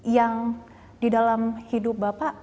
yang di dalam hidup bapak